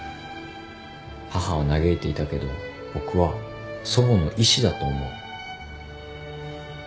母は嘆いていたけど僕は祖母の意志だと思う。